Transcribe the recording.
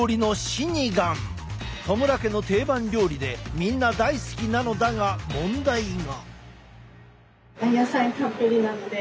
戸村家の定番料理でみんな大好きなのだが問題が。